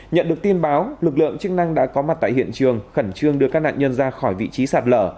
nhận được tin báo lực lượng chức năng đã có mặt tại hiện trường khẩn trương đưa các nạn nhân ra khỏi vị trí sạt lở